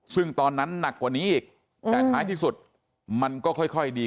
ซึ่งตอนนั้นหนักกว่านี้อีกแต่ท้ายที่สุดมันก็ค่อยดี